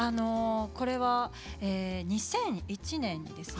これは２００１年にですね